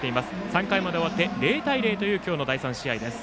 ３回まで終わって０対０の今日の第３試合。